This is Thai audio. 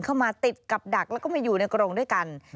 มาติดกับดักแล้วก็มาอยู่ในกรงด้วยกัน